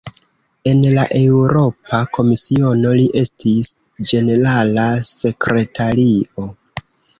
En la Eŭropa Komisiono, li estis "ĝenerala sekretario".